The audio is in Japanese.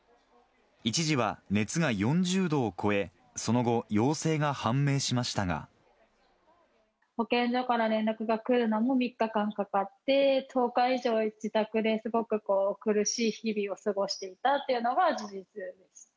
一時は熱が４０度を超え、その後、保健所から連絡が来るのも３日間かかって、１０日以上、自宅ですごく苦しい日々を過ごしていたというのが事実です。